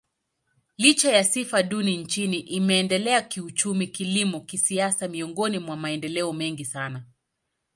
Licha ya sifa duni nchini, imeendelea kiuchumi, kilimo, kisiasa miongoni mwa maendeleo mengi sana.